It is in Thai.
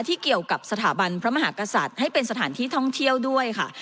ที่เกี่ยวกับสถาบันพระมหากษัตริย์ให้เป็นสถานที่ท่องเที่ยวด้วยค่ะ